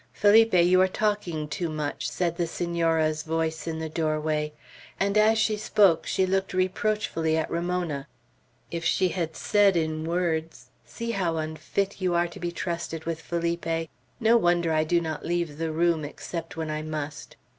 "Felipe, you are talking too much," said the Senora's voice, in the doorway; and as she spoke she looked reproachfully at Ramona. If she had said in words, "See how unfit you are to be trusted with Felipe. No wonder I do not leave the room except when I must!"